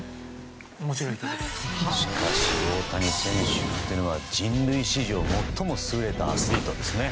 しかし大谷選手っていうのは人類史上もっとも優れたアスリートですね。